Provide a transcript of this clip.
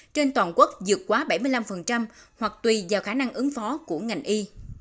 trên toàn quốc dược quá bảy mươi năm hoặc tùy vào khả năng ứng phó của ngành y